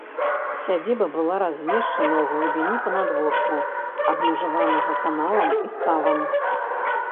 Сядзіба была размешчана ў глыбіні панадворку, абмежаванага каналам і ставам.